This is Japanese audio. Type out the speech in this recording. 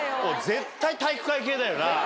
絶対体育会系だ。